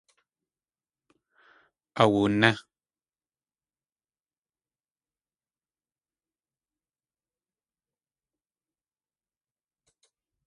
Awuné.